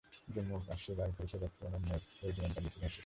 জম্মু ও কাশ্মীর রাইফেলসের একটি অনন্য রেজিমেন্টাল ইতিহাস রয়েছে।